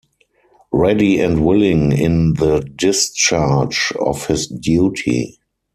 Ready and willing in the discharge of his duty.